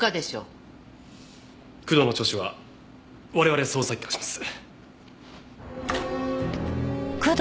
工藤の聴取は我々捜査一課がします。